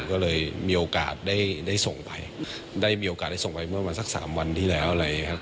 ก็เลยมีโอกาสได้ได้ส่งไปได้มีโอกาสได้ส่งไปเมื่อประมาณสักสามวันที่แล้วเลยครับ